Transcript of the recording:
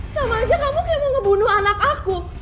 sama aja kamu kayak mau ngebunuh anak aku